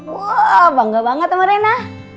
wah bangga banget sama rena